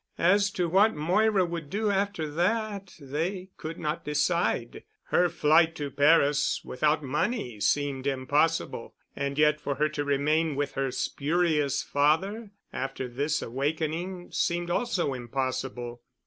As to what Moira would do after that, they could not decide. Her flight to Paris without money seemed impossible, and yet for her to remain with her spurious father after this awakening seemed also impossible.